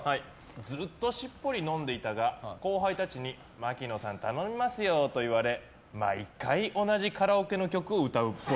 ずっとしっぽり飲んでいたが後輩たちに槙野さん頼みますよと言われ毎回、同じカラオケの曲を歌うっぽい。